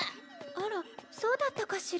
あらそうだったかしら。